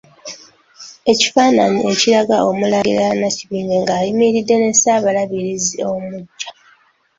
Ekifaananyi ekiraga Omulangira Nakibinge nga ayimiridde ne Ssaabalabirizi omuggya.